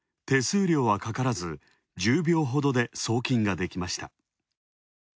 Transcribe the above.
手数料はかからず、１０秒ほどで送金ができました。